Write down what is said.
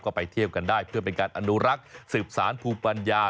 ก็ไปเที่ยวกันได้เพื่อเป็นการอนุรักษ์สืบสารภูมิปัญญา